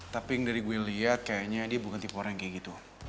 tapi yang dari gue liat kayaknya dia bukan tipe orang yang kayak gitu